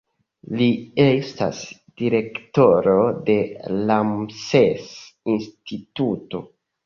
Li estas direktoro de Ramses-instituto.